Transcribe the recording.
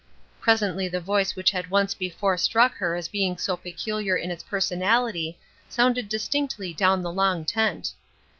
Presently the voice which had once before struck her as being so peculiar in its personality sounded distinctly down the long tent.